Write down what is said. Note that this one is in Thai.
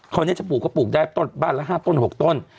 คราวนี้จะปลูกก็ปลูกได้ต้นบ้านละ๕ต้น๖ต้น